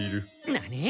何！